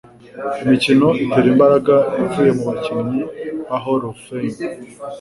Imikino itera imbaraga ivuye mu bakinnyi ba Hall of Fame